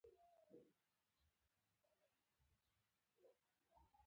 د سختو حالاتو سره مقابله کول د شخصیت جوړولو لپاره ښه فرصت دی.